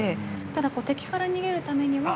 ただ、敵から逃げるためにも。